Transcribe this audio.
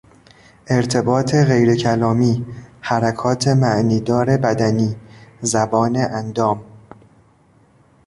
ارتباط غیرکلامی، حرکات معنیدار بدنی، زبان اندام